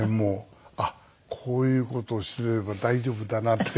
あっこういう事をすれば大丈夫だなって。